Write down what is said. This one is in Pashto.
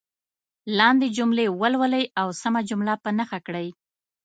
لاندې جملې ولولئ او سمه جمله په نښه کړئ.